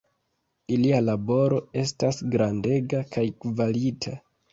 Ilia laboro estas grandega kaj kvalita.